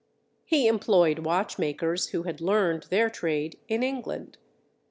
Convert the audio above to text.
He employed watch makers who had learned their trade in England.